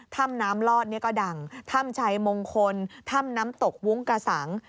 ถ้ำน้ำลอดเนี่ยก็ดังถ้ำชัยมงคลถ้ำน้ำตกวุ้งกระสัง